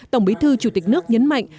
tổng bí thư chủ tịch nước nhấn mạnh